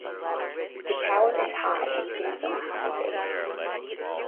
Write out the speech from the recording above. The tower is high and stands on a high base.